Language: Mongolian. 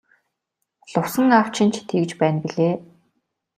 Лувсан аав чинь ч тэгж байна билээ.